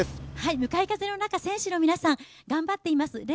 向かい風の中、選手の皆さん頑張っています。